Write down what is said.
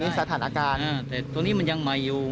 แต่นี่สถานอาจารย์อ่าแต่ตอนนี้มันยังใหม่อยู่